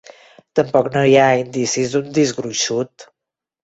Tampoc no hi ha indicis d'un disc gruixut.